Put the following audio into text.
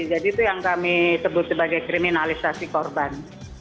jadi itu yang kami sebut sebagai kriminalisasi korban